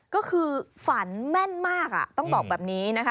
ก็คือฝันแม่นมากต้องบอกแบบนี้นะคะ